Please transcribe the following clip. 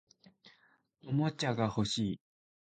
おもちゃが欲しい